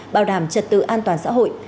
bảo đảm trật tự an toàn xã hội